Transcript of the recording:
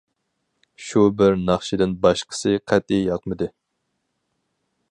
شۇ بىر ناخشىدىن باشقىسى قەتئىي ياقمىدى.